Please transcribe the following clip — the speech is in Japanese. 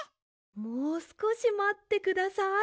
もうすこしまってください。